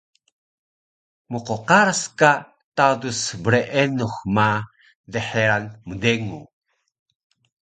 Mqqaras ka tadus brenux ma dxeral mdengu